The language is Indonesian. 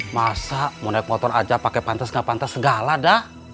masa mau naik motor aja pake pantes gak pantes segala dah